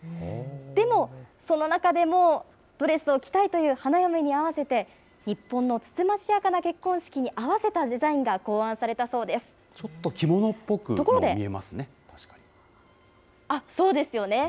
でも、その中でもドレスを着たいという花嫁に合わせて、日本のつつましやかな結婚式に合わせたデザインが考案されたそうちょっと着物っぽくも見えまそうですよね。